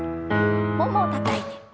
ももをたたいて。